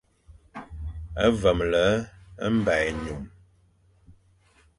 Vemle mba ényum.